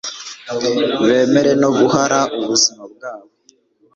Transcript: bemera no guhara ubuzima bwabo